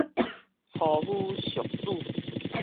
粗夫俗子